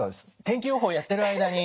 天気予報をやってる間に。